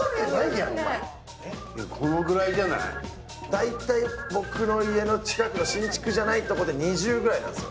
大体僕の家の近くで新築じゃないところで２０くらいなんです。